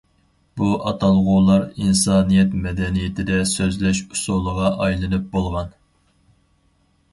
بۇ ئاتالغۇلار ئىنسانىيەت مەدەنىيىتىدە سۆزلەش ئۇسۇلىغا ئايلىنىپ بولغان.